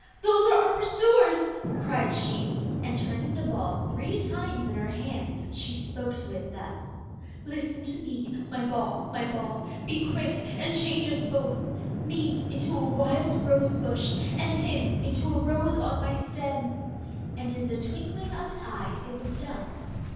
'Those are our pursuers,' cried she, and turning the ball three times in her hand she spoke to it thus: 'Listen to me, my ball, my ball. Be quick and change us both. Me into a wild rose bush, And him into a rose on my stem.' And in the twinkling of an eye it was done.